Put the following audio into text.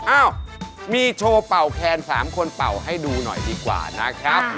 อ้าวมีโชว์เป่าแคน๓คนเป่าให้ดูหน่อยดีกว่านะครับ